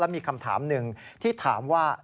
มีคำถามหนึ่งที่ถามว่า